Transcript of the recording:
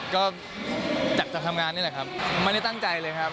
ก็จากจะทำงานนี่แหละครับไม่ได้ตั้งใจเลยครับ